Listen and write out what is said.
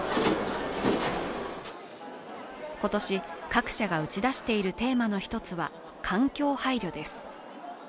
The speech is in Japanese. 今年、各社が打ち出しているテーマの１つは環境配慮です。